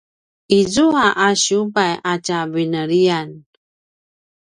izua a siubay a tja veliyan